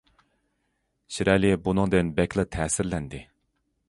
شىرئەلى بۇنىڭدىن بەكلا تەسىرلەندى.